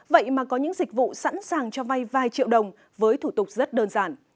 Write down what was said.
vậy mà có những dịch vụ sẵn sàng cho vay vài triệu đồng với thủ tục rất đơn giản